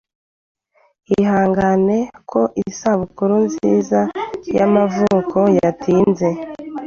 Ihangane ko isabukuru nziza y'amavuko yatinze